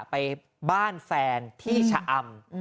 ไปบ้านแฟนที่ชะอำ